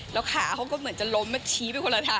แล้วขาเขาก็เหมือนจะล้มชี้ไปคนละทาง